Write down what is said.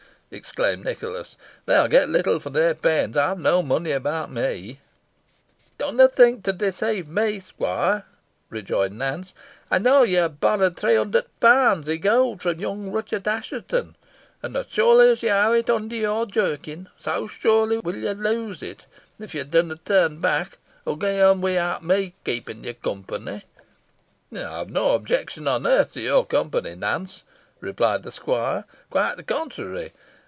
exclaimed Nicholas; "they will get little for their pains. I have no money about me." "Dunna think to deceive me, squoire," rejoined Nance; "ey knoa yo ha borrowed three hundert punds i' gowd fro' yung Ruchot Assheton; an os surely os ye ha it aw under your jerkin, so surely win yo lose it, if yo dunna turn back, or ge on without me keepin' ye company." "I have no objection on earth to your company, Nance," replied the squire; "quite the contrary.